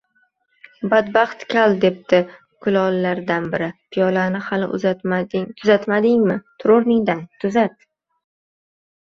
Badbaxt kal, debdi kulollardan biri, piyolani hali ham tuzatmadingmi, tur o‘rningdan, tuzat